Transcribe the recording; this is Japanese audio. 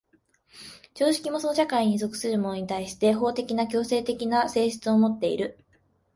常識もその社会に属する者に対して法的な強制的な性質をもっている。